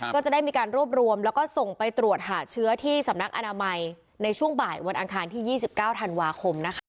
ก็จะได้มีการรวบรวมแล้วก็ส่งไปตรวจหาเชื้อที่สำนักอนามัยในช่วงบ่ายวันอังคารที่๒๙ธันวาคมนะคะ